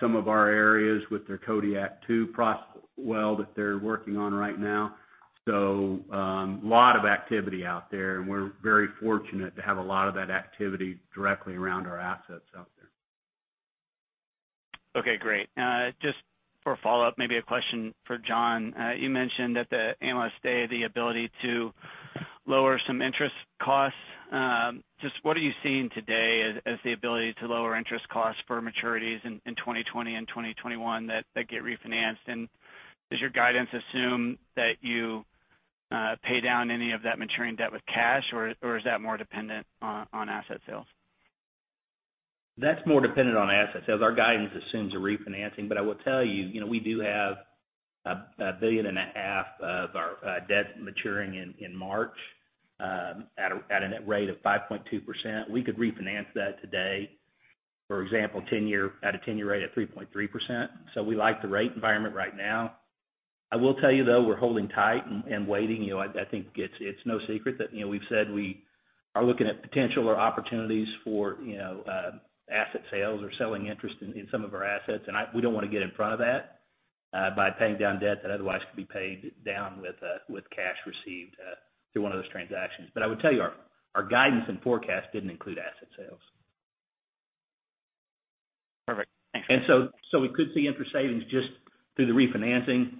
some of our areas with their Kodiak two prospect well that they're working on right now. A lot of activity out there, and we're very fortunate to have a lot of that activity directly around our assets out there. Okay, great. Just for a follow-up, maybe a question for John. You mentioned at the Analyst Day, the ability to lower some interest costs. Just what are you seeing today as the ability to lower interest costs for maturities in 2020 and 2021 that get refinanced? Does your guidance assume that you pay down any of that maturing debt with cash, or is that more dependent on asset sales? That's more dependent on asset sales. Our guidance assumes a refinancing. I will tell you, we do have $1.5 billion of our debt maturing in March at a net rate of 5.2%. We could refinance that today, for example, at a 10-year rate of 3.3%. We like the rate environment right now. I will tell you, though, we're holding tight and waiting. I think it's no secret that we've said we are looking at potential or opportunities for asset sales or selling interest in some of our assets. We don't want to get in front of that by paying down debt that otherwise could be paid down with cash received through one of those transactions. I would tell you, our guidance and forecast didn't include asset sales. Perfect. Thanks. We could see interest savings just through the refinancing,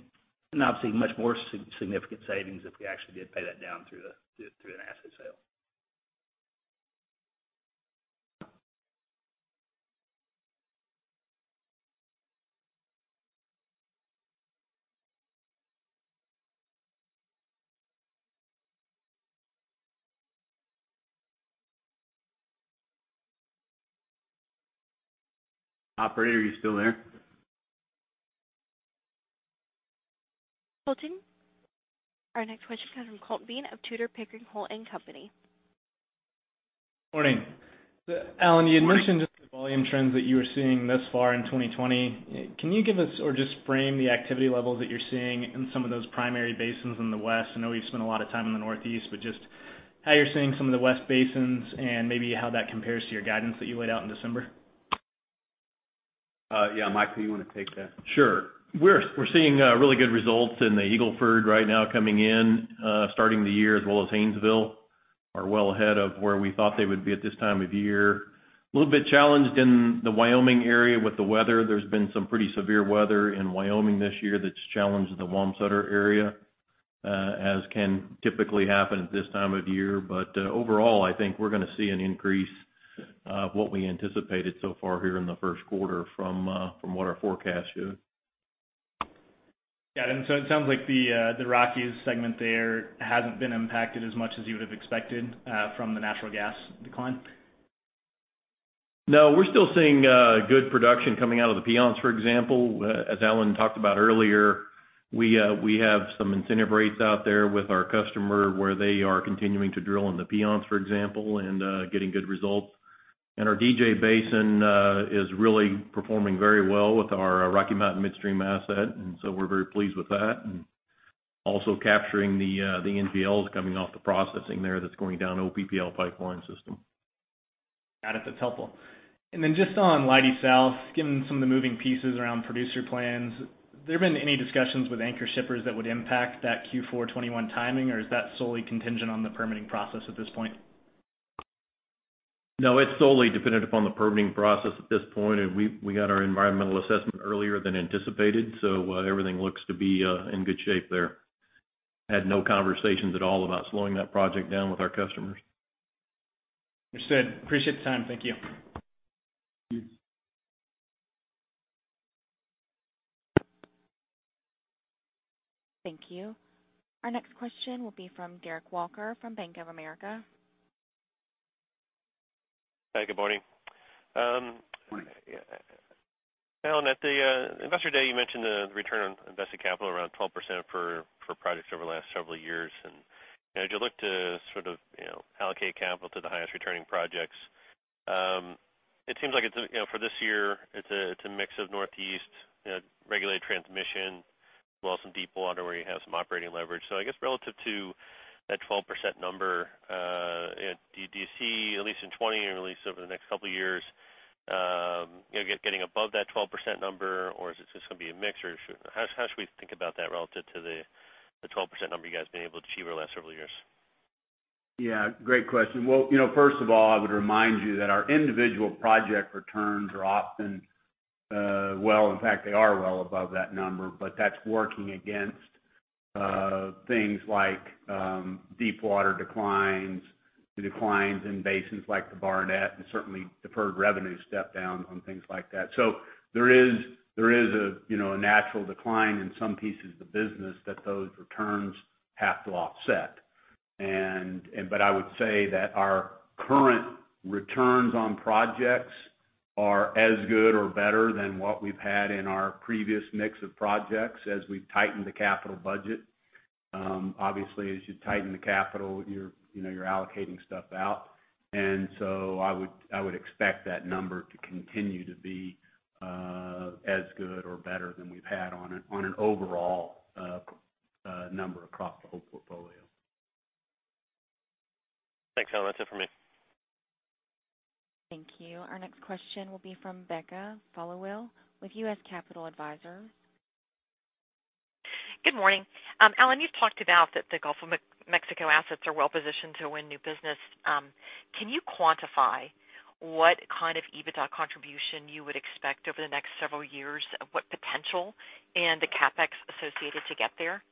and obviously much more significant savings if we actually did pay that down through an asset sale. Operator, are you still there? Holding. Our next question comes from Colton Bean of Tudor, Pickering, Holt & Co.. Morning. Alan. Morning You had mentioned just the volume trends that you were seeing thus far in 2020. Can you give us or just frame the activity levels that you're seeing in some of those primary basins in the West? I know you've spent a lot of time in the Northeast, but just how you're seeing some of the West basins and maybe how that compares to your guidance that you laid out in December. Yeah. Mike, do you want to take that? Sure. We're seeing really good results in the Eagle Ford right now coming in, starting the year, as well as Haynesville, are well ahead of where we thought they would be at this time of year. A little bit challenged in the Wyoming area with the weather. There's been some pretty severe weather in Wyoming this year that's challenged the Wamsutter area, as can typically happen at this time of year. Overall, I think we're going to see an increase of what we anticipated so far here in the first quarter from what our forecast shows. Yeah. It sounds like the Rockies segment there hasn't been impacted as much as you would've expected from the natural gas decline. No, we're still seeing good production coming out of the Piceance, for example. As Alan talked about earlier, we have some incentive rates out there with our customer where they are continuing to drill in the Piceance, for example, and getting good results. Our DJ Basin is really performing very well with our Rocky Mountain Midstream asset, and so we're very pleased with that, and also capturing the NGLs coming off the processing there that's going down OPPL pipeline system. Got it, that's helpful. Just on Leidy South, given some of the moving pieces around producer plans, have there been any discussions with anchor shippers that would impact that Q4 2021 timing, or is that solely contingent on the permitting process at this point? No, it's solely dependent upon the permitting process at this point. We got our environmental assessment earlier than anticipated. Everything looks to be in good shape there. We had no conversations at all about slowing that project down with our customers. Understood. Appreciate the time. Thank you. Thank you. Our next question will be from Derek Walker from Bank of America. Hi, good morning. Morning. Alan, at the Investor Day, you mentioned the return on invested capital around 12% for projects over the last several years. As you look to sort of allocate capital to the highest returning projects, it seems like for this year, it's a mix of Northeast regulated transmission as well as some deep water where you have some operating leverage. I guess relative to that 12% number, do you see at least in 2020, and at least over the next couple of years, getting above that 12% number, or is this going to be a mix, or how should we think about that relative to the 12% number you guys have been able to achieve over the last several years? Yeah, great question. Well, first of all, I would remind you that our individual project returns are often, well, in fact, they are well above that number, but that's working against things like deepwater declines, the declines in basins like the Barnett, and certainly deferred revenue step down on things like that. There is a natural decline in some pieces of the business that those returns have to offset. I would say that our current returns on projects are as good or better than what we've had in our previous mix of projects as we've tightened the capital budget. Obviously, as you tighten the capital, you're allocating stuff out. I would expect that number to continue to be as good or better than we've had on an overall number across the whole portfolio. Thanks, Alan. That's it for me. Thank you. Our next question will be from Becca Followill with U.S. Capital Advisors. Good morning. Alan, you've talked about that the Gulf of Mexico assets are well-positioned to win new business. Can you quantify what kind of EBITDA contribution you would expect over the next several years? What potential and the CapEx associated to get there?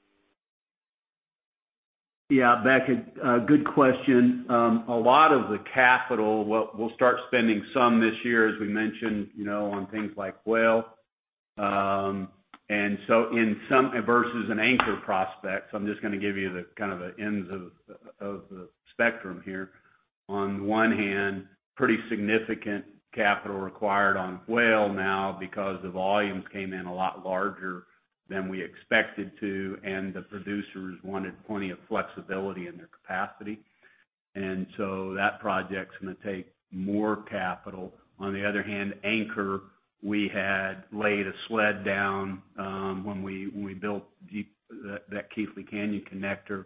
Becca, good question. A lot of the capital, we'll start spending some this year, as we mentioned, on things like Whale. Versus an Anchor prospect, so I'm just going to give you the ends of the spectrum here. On one hand, pretty significant capital required on Whale now because the volumes came in a lot larger than we expected to, and the producers wanted plenty of flexibility in their capacity. That project's going to take more capital. On the other hand, Anchor, we had laid a sled down. When we built that Keathley Canyon Connector,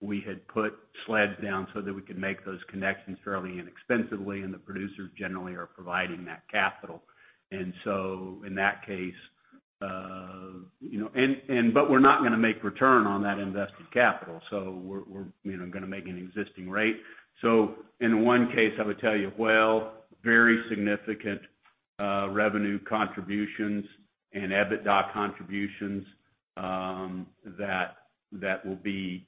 we had put sleds down so that we could make those connections fairly inexpensively, and the producers generally are providing that capital. We're not going to make return on that invested capital. We're going to make an existing rate. In one case, I would tell you, Whale, very significant revenue contributions and EBITDA contributions that will be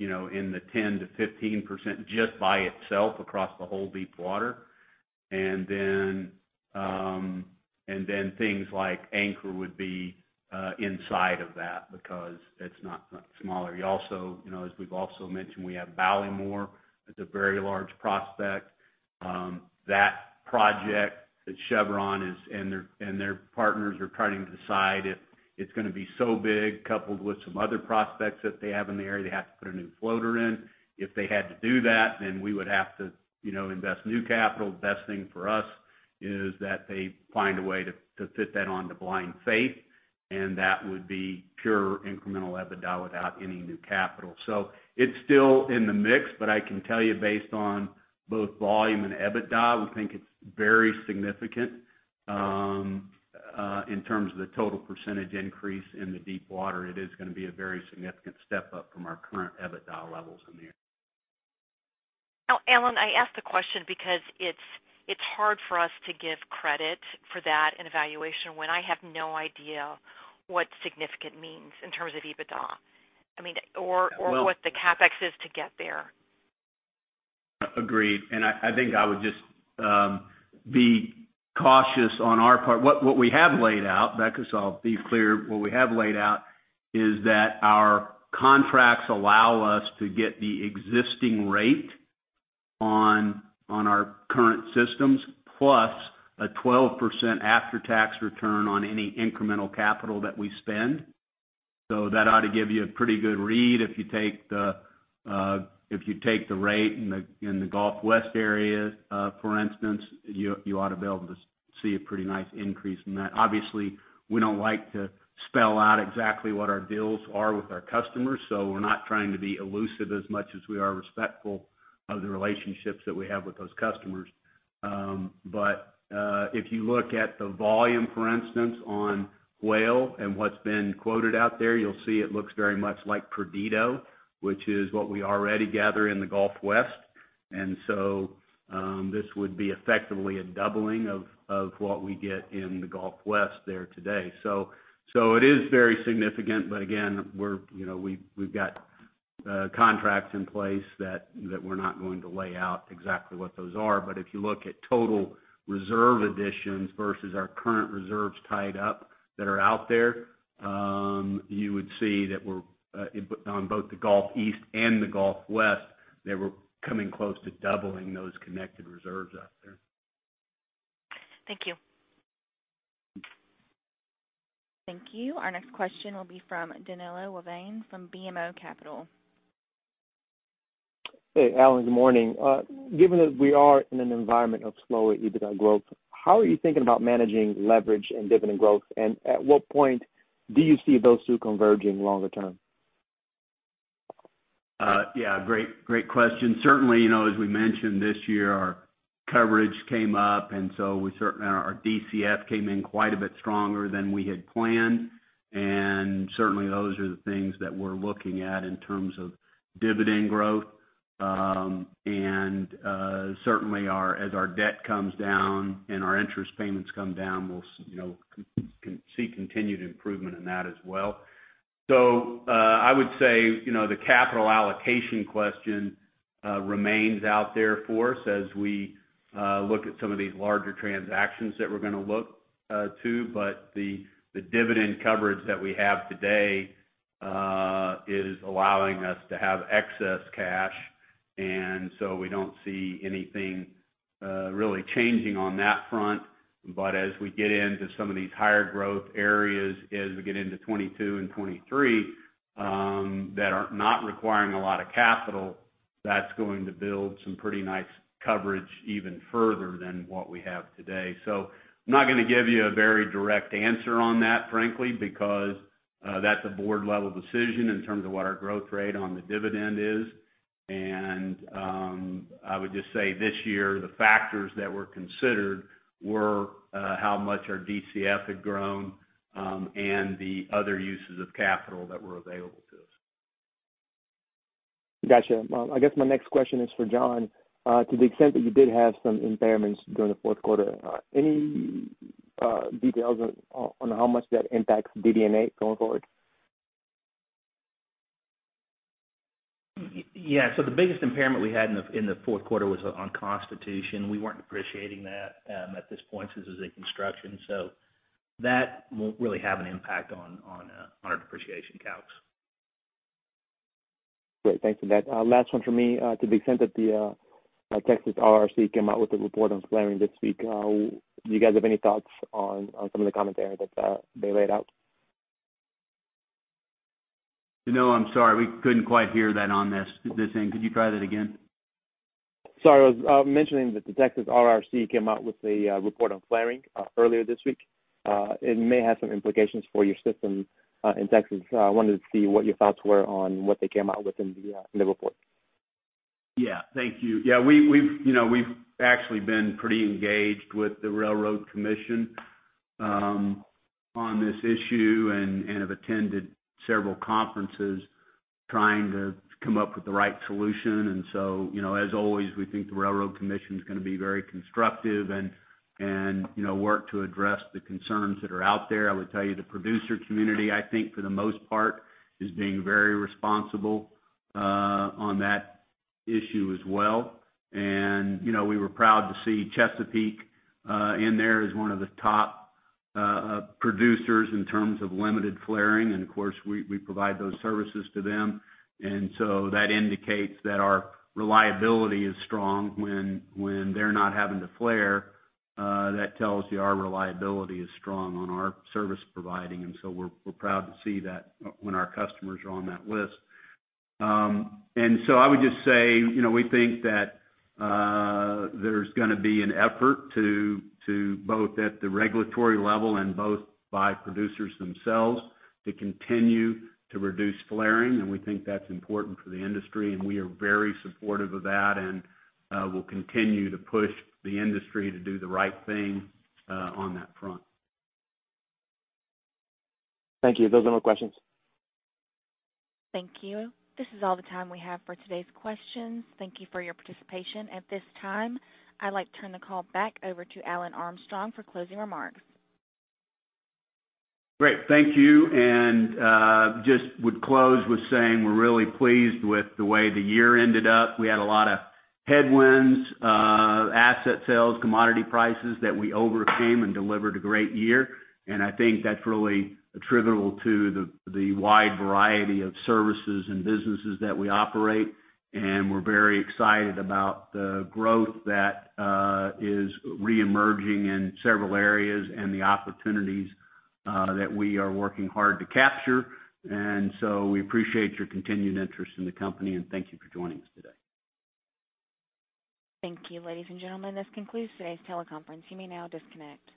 in the 10%-15% just by itself across the whole deepwater. Things like Anchor would be inside of that because it's not smaller. We've also mentioned, we have Ballymore. It's a very large prospect. That project that Chevron and their partners are trying to decide if it's going to be so big, coupled with some other prospects that they have in the area, they have to put a new floater in. If they had to do that, we would have to invest new capital. The best thing for us is that they find a way to fit that onto Blind Faith. That would be pure incremental EBITDA without any new capital. It's still in the mix, but I can tell you based on both volume and EBITDA, we think it's very significant. In terms of the total percentage increase in the deepwater, it is going to be a very significant step up from our current EBITDA levels in the area. Now, Alan, I asked the question because it's hard for us to give credit for that in evaluation when I have no idea what significant means in terms of EBITDA. I mean, or what the CapEx is to get there. Agreed. I think I would just be cautious on our part. What we have laid out, Becca, so I'll be clear, what we have laid out is that our contracts allow us to get the existing rate on our current systems, plus a 12% after-tax return on any incremental capital that we spend. That ought to give you a pretty good read if you take the rate in the Gulf West area, for instance, you ought to be able to see a pretty nice increase in that. Obviously, we don't like to spell out exactly what our deals are with our customers, so we're not trying to be elusive as much as we are respectful of the relationships that we have with those customers. If you look at the volume, for instance, on Whale and what's been quoted out there, you'll see it looks very much like Perdido, which is what we already gather in the Gulf West. This would be effectively a doubling of what we get in the Gulf West there today. It is very significant. Again, we've got contracts in place that we're not going to lay out exactly what those are. If you look at total reserve additions versus our current reserves tied up that are out there, you would see that on both the Gulf East and the Gulf West, that we're coming close to doubling those connected reserves out there. Thank you. Thank you. Our next question will be from Danilo Juvane from BMO Capital. Hey, Alan, good morning. Given that we are in an environment of slower EBITDA growth, how are you thinking about managing leverage and dividend growth? At what point do you see those two converging longer term? Yeah, great question. Certainly, as we mentioned this year, our coverage came up, our DCF came in quite a bit stronger than we had planned. Certainly those are the things that we're looking at in terms of dividend growth. Certainly as our debt comes down and our interest payments come down, we'll see continued improvement in that as well. I would say, the capital allocation question remains out there for us as we look at some of these larger transactions that we're going to look to. The dividend coverage that we have today is allowing us to have excess cash. We don't see anything really changing on that front. As we get into some of these higher growth areas, as we get into 2022 and 2023, that are not requiring a lot of capital, that's going to build some pretty nice coverage even further than what we have today. I'm not going to give you a very direct answer on that, frankly, because that's a board-level decision in terms of what our growth rate on the dividend is. I would just say this year the factors that were considered were how much our DCF had grown and the other uses of capital that were available to us. Got you. I guess my next question is for John. To the extent that you did have some impairments during the fourth quarter, any details on how much that impacts DD&A going forward? Yeah. The biggest impairment we had in the fourth quarter was on Constitution. We weren't appreciating that at this point since it's in construction, so that won't really have an impact on our depreciation calcs. Great. Thanks for that. Last one from me. To the extent that the Texas RRC came out with a report on flaring this week, do you guys have any thoughts on some of the commentary that they laid out? No, I'm sorry. We couldn't quite hear that on this thing. Could you try that again? Sorry. I was mentioning that the Texas RRC came out with a report on flaring earlier this week. It may have some implications for your system in Texas. I wanted to see what your thoughts were on what they came out with in the report. Yeah. Thank you. We've actually been pretty engaged with the Railroad Commission on this issue and have attended several conferences trying to come up with the right solution. As always, we think the Railroad Commission's going to be very constructive and work to address the concerns that are out there. I would tell you the producer community, I think, for the most part, is being very responsible on that issue as well. We were proud to see Chesapeake in there as one of the top producers in terms of limited flaring, and of course, we provide those services to them. That indicates that our reliability is strong when they're not having to flare. That tells you our reliability is strong on our service providing, we're proud to see that when our customers are on that list. I would just say, we think that there's going to be an effort to both at the regulatory level and both by producers themselves to continue to reduce flaring, and we think that's important for the industry, and we are very supportive of that, and we'll continue to push the industry to do the right thing on that front. Thank you. Those are my questions. Thank you. This is all the time we have for today's questions. Thank you for your participation. At this time, I'd like to turn the call back over to Alan Armstrong for closing remarks. Great. Thank you, just would close with saying we're really pleased with the way the year ended up. We had a lot of headwinds, asset sales, commodity prices that we overcame and delivered a great year, and I think that's really attributable to the wide variety of services and businesses that we operate. We're very excited about the growth that is reemerging in several areas and the opportunities that we are working hard to capture. We appreciate your continued interest in the company, and thank you for joining us today. Thank you, ladies and gentlemen. This concludes today's teleconference. You may now disconnect.